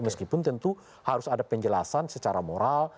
meskipun tentu harus ada penjelasan secara moral